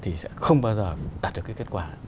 thì sẽ không bao giờ đạt được cái kết quả